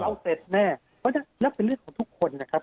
เอาเสร็จแน่เพราะฉะนั้นแล้วเป็นเรื่องของทุกคนนะครับ